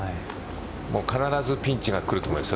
必ずピンチがくると思います。